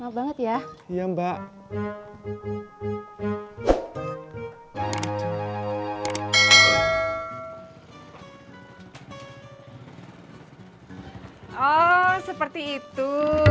oh seperti itu